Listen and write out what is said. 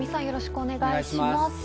よろしくお願いします。